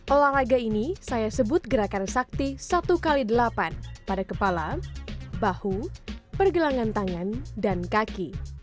olahraga ini saya sebut gerakan sakti satu x delapan pada kepala bahu pergelangan tangan dan kaki